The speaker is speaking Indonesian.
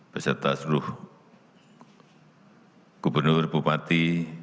beserta seluruh gubernur bupati